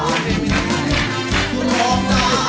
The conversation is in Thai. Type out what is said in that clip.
อย่าให้ร้าง